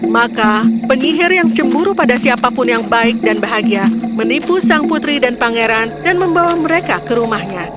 maka penyihir yang cemburu pada siapapun yang baik dan bahagia menipu sang putri dan pangeran dan membawa mereka ke rumahnya